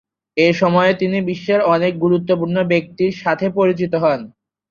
এ সময়ে তিনি বিশ্বের অনেক গুরুত্বপূর্ণ ব্যক্তিত্বের সাথে পরিচিত হন।